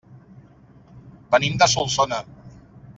Venim de Solsona.